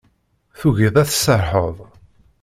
Tugiḍ ad tserrḥeḍ.